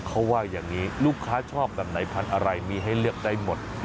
เขาว่าอย่างนี้ลูกค้าชอบแบบไหนพันธุ์อะไรมีให้เลือกได้หมด